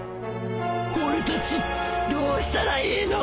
俺たちどうしたらいいの。